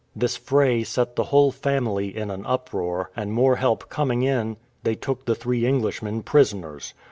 This fray set the whole family in an uproar, and more help coming in they took the three Englishmen prisoners.